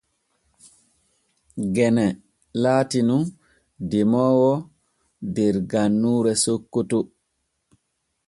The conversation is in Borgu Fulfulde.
Gene laati nun demoowo der gannuure Sokoto.